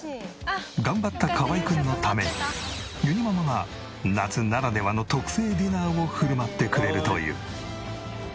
頑張った河合くんのためにゆにママが夏ならではの特製ディナーを振る舞ってくれるという。